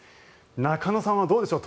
中野さんはどうでしょう。